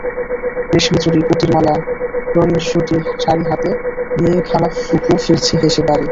রেশমি চুড়ি, পুঁতির মালা, রঙিন সুতি শাড়িহাতে নিয়ে খালা ফুপু ফিরছে হেসে বাড়ি।